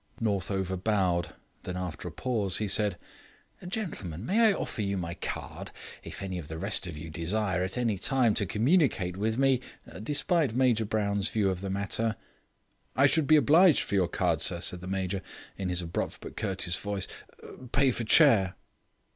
Northover bowed. Then after a pause he said: "Gentlemen, may I offer you my card. If any of the rest of you desire, at any time, to communicate with me, despite Major Brown's view of the matter " "I should be obliged for your card, sir," said the Major, in his abrupt but courteous voice. "Pay for chair."